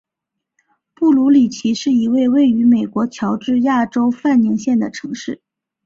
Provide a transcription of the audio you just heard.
布卢里奇是一个位于美国乔治亚州范宁县的城市。